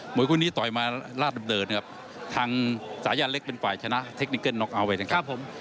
หมวยคุณนี้ต่อยมาราดเดิมทางสายาเล็กเป็นฝ่ายชนะเทคนิกเกิ้ลน็อกเอาไว้นะครับ